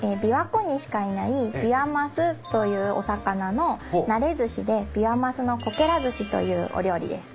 琵琶湖にしかいないビワマスというお魚のなれずしでビワマスのこけらずしというお料理です。